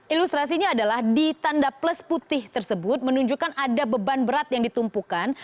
ilustrasinya adalah di tanda plus putih tersebut menunjukkan ada beban berat yang ditumpukan